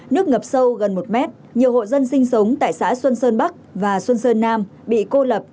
nước ngập sâu gần một mét nhiều hộ dân sinh sống tại xã xuân sơn bắc và xuân sơn nam bị cô lập